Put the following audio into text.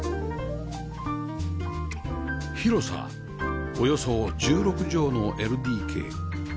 広さおよそ１６畳の ＬＤＫ